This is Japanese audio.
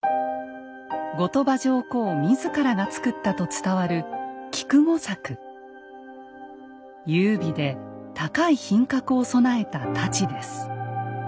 後鳥羽上皇自らが作ったと伝わる優美で高い品格を備えた太刀です。